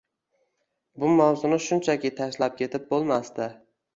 Bu mavzuni shunchaki tashlab ketib boʻlmasdi.